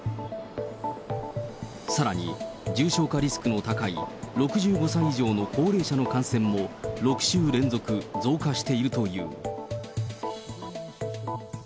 さらに、重症化リスクの高い６５歳以上の高齢者の感染も、６週連続増加しているという。